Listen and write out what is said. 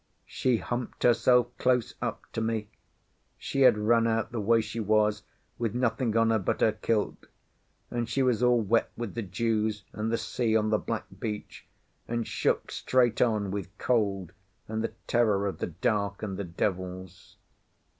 She humped herself close up to me. She had run out the way she was, with nothing on her but her kilt; and she was all wet with the dews and the sea on the black beach, and shook straight on with cold and the terror of the dark and the devils.